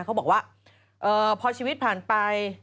เขาบอกว่าพอชีวิตผ่านไป